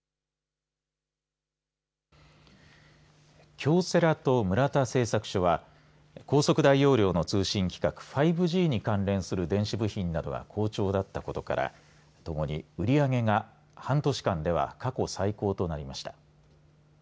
京セラと村田製作所は高速、大容量の通信規格５Ｇに関連する電子部品などが好調だったことからともに売り上げが半年間では過去最高となりました。